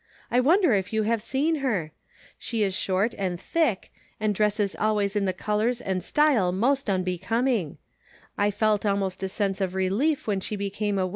I wonder if you have seen her ? She is short and thick, and dresses al ways in the colors and style most unbecoming ; I felt almost a sense of relief when she became a "IN HIS NAME."